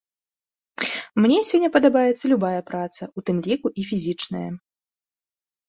Мне сёння падабаецца любая праца, у тым ліку і фізічная.